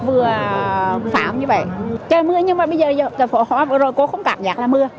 mà phá hoa như vậy trời mưa nhưng mà bây giờ phá hoa vừa rồi cô không cảm nhận là mưa